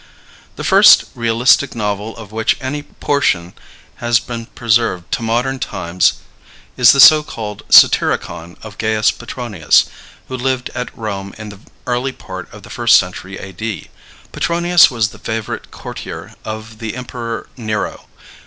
The first realistic novel of which any portion has been preserved to modern times is the so called "Satyricon" of Gaius Petronius, who lived at Rome in the early part of the first century A.D. Petronius was the favorite courtier of the Emperor Nero.